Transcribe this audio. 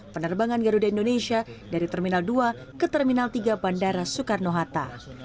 penerbangan garuda indonesia dari terminal dua ke terminal tiga bandara soekarno hatta